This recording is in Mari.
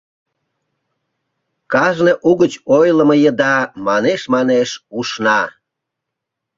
Кажне угыч ойлымо еда манеш-манеш ушна.